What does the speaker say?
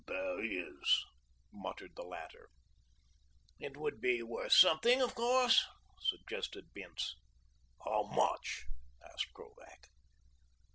"There is," muttered the latter. "It would be worth something of course," suggested Bince. "How much?" asked Krovac.